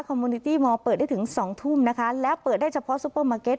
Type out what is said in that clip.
โมนิตี้มอร์เปิดได้ถึงสองทุ่มนะคะแล้วเปิดได้เฉพาะซุปเปอร์มาร์เก็ต